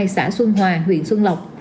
xã xuân hòa huyện xuân lộc